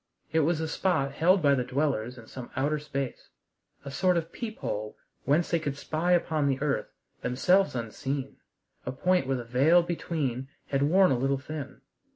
It was a spot held by the dwellers in some outer space, a sort of peephole whence they could spy upon the earth, themselves unseen, a point where the veil between had worn a little thin.